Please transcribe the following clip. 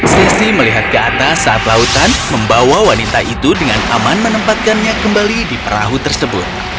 sesi melihat ke atas saat lautan membawa wanita itu dengan aman menempatkannya kembali di perahu tersebut